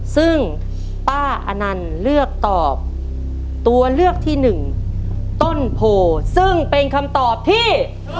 ซึ่งป้าอนันต์เลือกตอบตัวเลือกที่หนึ่งต้นโพซึ่งเป็นคำตอบที่